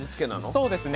そうですね。